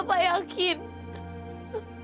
apa itu berguna